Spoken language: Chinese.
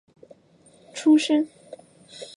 他出生于德意志卡塞尔一个犹太家庭。